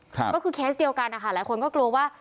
ก็คือเคสเดียวกันนะคะหลายคนก็กลัวว่า